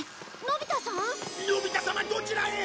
のび太様どちらへ！？